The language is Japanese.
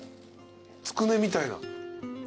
つくねみたいな。